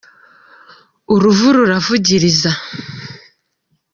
Uruvu ruravugiriza.